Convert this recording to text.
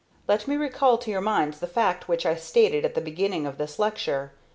Let me recall to your minds the fact which I stated at the beginning of this lecture.